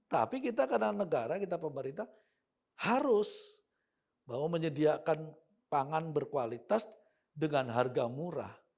tapi kita karena negara kita pemerintah harus bahwa menyediakan pangan berkualitas dengan harga murah